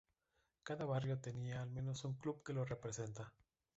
Cada barrio tenía al menos un club que lo representa.